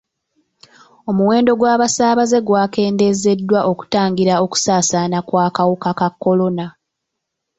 Omuwendo gw'abasaabaze gwakendeezeddwa okutangira okusaasaana kw'akawuka ka kolona.